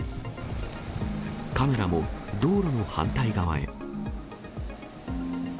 カメラも、道路の反対側へ。